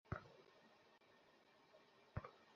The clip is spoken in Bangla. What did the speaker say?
ওদেরকে পিঁপড়ার মতো পিষে ফেলব, তারপর পানির গর্তে গুলতি ছুঁড়ব।